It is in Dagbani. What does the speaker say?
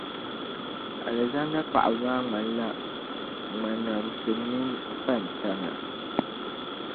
Alizanda paɣaba maa ŋmanila ŋmanamsi mini kpantana.